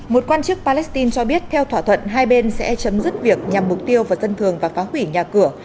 một quan chức palestine cho biết theo thỏa thuận hai bên sẽ chấm dứt việc nhằm mục tiêu vào dân thường và phá hủy nhà cửa